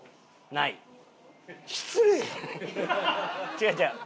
違う違う。